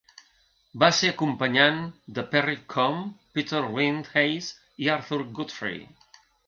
Va ser acompanyant de Perry Com, Peter Lind Hayes i Arthur Godfrey.